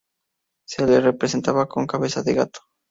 Se le representaba con cabeza de gato.